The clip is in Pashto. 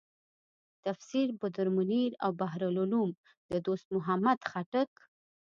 تفسیر بدرمنیر او بحر العلوم د دوست محمد خټک.